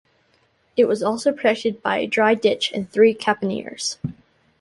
It was also protected by a dry ditch and three caponiers.